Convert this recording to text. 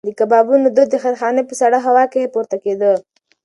د کبابونو دود د خیرخانې په سړه هوا کې پورته کېده.